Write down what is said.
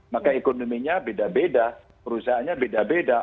maka ekonominya beda beda perusahaannya beda beda